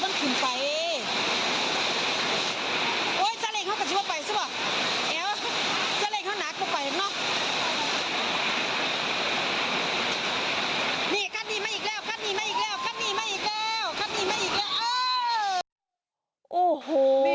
มาอีกแล้วคันนี้มาอีกแล้วอ่า